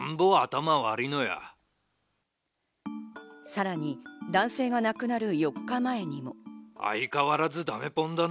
さらに男性が亡くなる４日前にも。